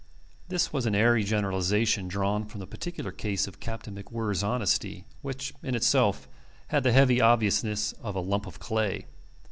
This was an airy generalization drawn from the particular case of Captain MacWhirr's honesty, which, in itself, had the heavy obviousness of a lump of clay.